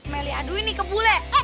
melly aduhin nih ke bule